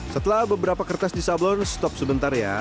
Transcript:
setelah beberapa kertas disablon stop sebentar ya